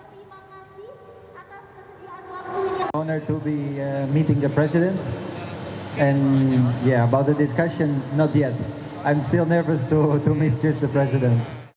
saya sangat senang bertemu dengan presiden tapi saya masih bercanda untuk bertemu dengan presiden